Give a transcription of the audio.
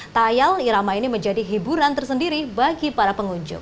tayal irama ini menjadi hiburan tersendiri bagi para pengunjung